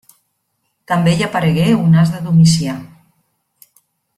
També hi aparegué un as de Domicià.